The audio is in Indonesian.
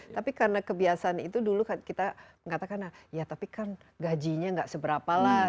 tapi karena kebiasaan itu dulu kita katakan ya tapi kan gajinya gak seberapa lah